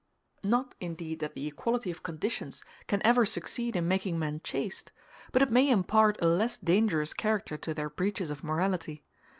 Not indeed that the equality of conditions can ever succeed in making men chaste, but it may impart a less dangerous character to their breaches of morality.